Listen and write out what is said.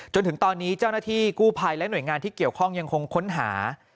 จนถึงตอนนี้เจ้าหน้าที่กู้ภัยและหน่วยงานที่เกี่ยวข้องยังคงค้นหา